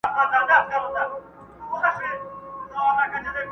مغول به وي، یرغل به وي او خوشحال خان به نه وي.!